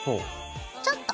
ちょっと。